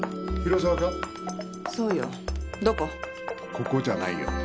ここじゃないよ。